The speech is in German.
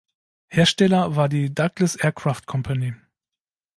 Hersteller war die Douglas Aircraft Company.